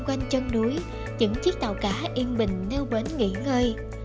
quanh chân núi những chiếc tàu cá yên bình nêu bến nghỉ ngơi